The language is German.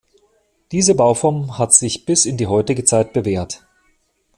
Diese Bauform hat sich bis in die heutige Zeit bewährt.